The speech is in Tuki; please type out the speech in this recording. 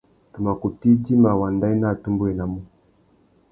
Tu mà kutu idjima wanda i nú atumbéwénamú.